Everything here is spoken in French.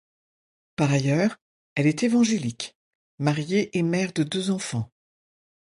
Par ailleurs, elle est évangélique, mariée et mère de deux enfants.